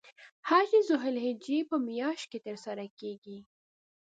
حج د ذوالحجې په میاشت کې تر سره کیږی.